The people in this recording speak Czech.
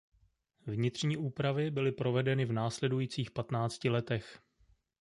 Vnitřní úpravy byly provedeny v následujících patnácti letech.